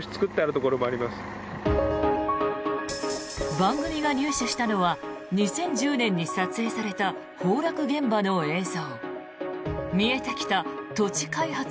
番組が入手したのは２０１０年に撮影された崩落現場の映像。